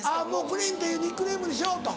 プリンっていうニックネームにしようと。